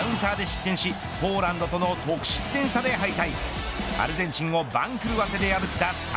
しかし試合終盤にカウンターで失点しポーランドとの得失点差で敗退。